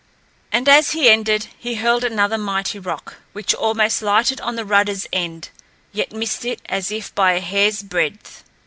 And as he ended he hurled another mighty rock, which almost lighted on the rudder's end, yet missed it as if by a hair's breadth.